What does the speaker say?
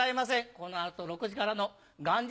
この後６時からの『元日！